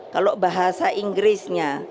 kalau bahasa inggrisnya